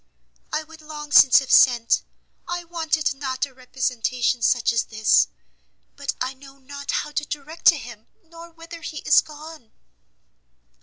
"I would long since have sent, I wanted not a representation such as this, but I know not how to direct to him, nor whither he is gone."